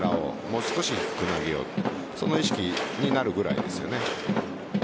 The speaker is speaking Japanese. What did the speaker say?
もう少し低く投げようその意識になるぐらいですね。